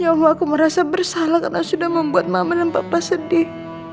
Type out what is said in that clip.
ya allah aku merasa bersalah karena sudah membuat mama dan papa sedih